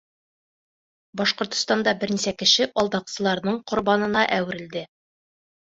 Башҡортостанда бер нисә кеше алдаҡсыларҙың ҡорбанына әүерелде.